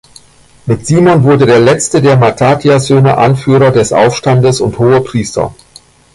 Mit Simon wurde der letzte der Mattatias-Söhne Anführer des Aufstandes und Hohepriester.